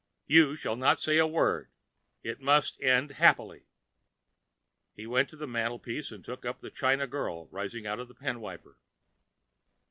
"You shall not say a word. It must end happily." He went to the mantel piece and took up the China girl rising out of a pen wiper.